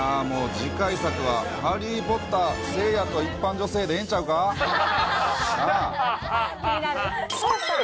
次回作はハリー・ポッター・せいやと一般女性でええんちゃうか？なぁ。